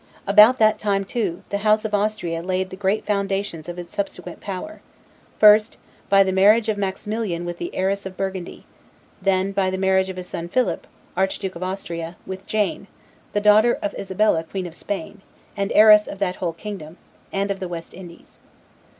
About that time, too, the house of Austria laid the great foundations of its subsequent power; first, by the marriage of Maximilian with the heiress of Burgundy; and then, by the marriage of his son Philip, Archduke of Austria, with Jane, the daughter of Isabella, Queen of Spain, and heiress of that whole kingdom, and of the West Indies.